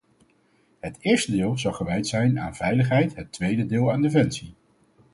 Het eerste deel zou gewijd zijn aan veiligheid, het tweede deel aan defensie.